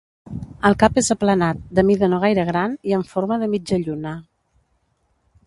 El cap és aplanat, de mida no gaire gran, i en forma de mitja lluna.